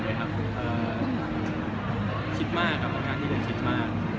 คิดมากครับทำงานที่เราคิดมาก